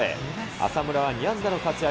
浅村は２安打の活躍。